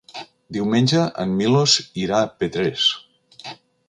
Diumenge en Milos irà a Petrés.